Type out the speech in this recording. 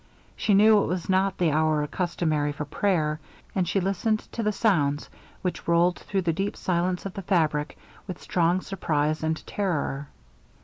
She knew it was not the hour customary for prayer, and she listened to the sounds, which rolled through the deep silence of the fabric, with strong surprise and terror.